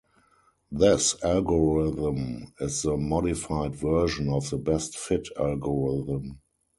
This algorithm is the modified version of the best fit algorithm.